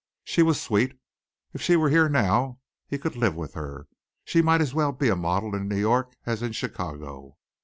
She was sweet. If she were here now he could live with her. She might as well be a model in New York as in Chicago.